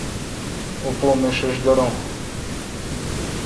اوں پو می ݭیݭ گڑون۔